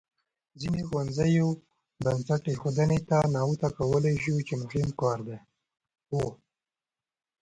ځینو ښوونځیو بنسټ ایښودنې ته نغوته کولای شو چې مهم کار و.